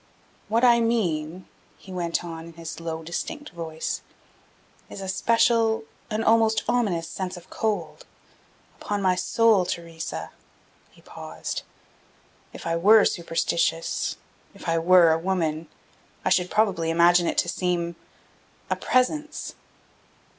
"What I mean," he went on, in his low, distinct voice, "is a special, an almost ominous sense of cold. Upon my soul, Theresa," he paused "if I were superstitious, if I were a woman, I should probably imagine it to seem a presence!"